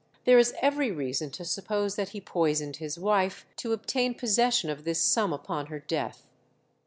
There is every reason to suppose that he poisoned his wife to obtain possession of this sum upon her death.